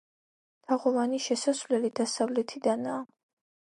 თაღოვანი შესასვლელი დასავლეთიდანაა.